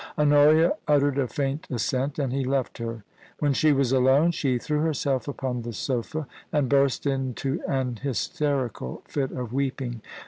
Honoria uttered a faint assent, and he left her. When she was alone, she threw herself upon the sofa and burst into an hysterical fit of weeping.